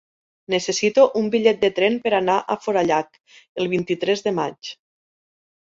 Necessito un bitllet de tren per anar a Forallac el vint-i-tres de maig.